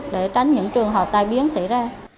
để tránh những trường hợp tai biến xảy ra